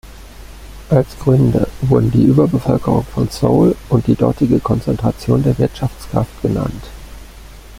Als Gründe wurden die Überbevölkerung von Seoul und die dortige Konzentration der Wirtschaftskraft genannt.